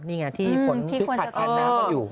นี่ไงที่ฝนขัดแขนน้ำก็อยู่